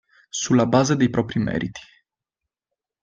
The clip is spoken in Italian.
Sulla base dei propri meriti.